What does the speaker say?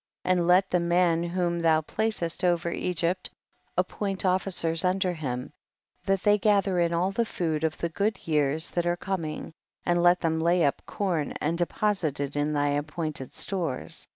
58. And let the man whom thou placcst over Egypt appoint officers under him, that they gather in all the food of the good years that are com ing, and let them lay up com and deposit it in thy appointed stores.